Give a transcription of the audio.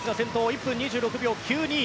１分２６秒９２。